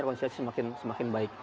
rekonsiliasi semakin baik